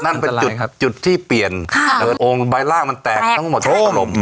อันตรายครับจุดที่เปลี่ยนค่ะโอ่งใบร่างมันแตกทั้งหมดโทรม